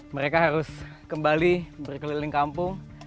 mereka harus kembali berkeliling kampung